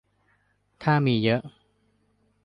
ถ้ามีเยอะ